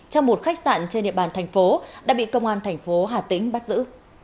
trong một khách sạn trên địa bàn thành phố đã bị công an thành phố hà tĩnh bắt giữ